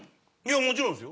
もちろんですよ。